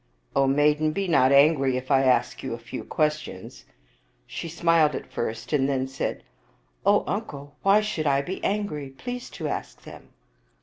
" O maiden, be not angry if I ask you a few questions." She smiled at first, and then said, " O uncle, why should I be angry? Please to ask them."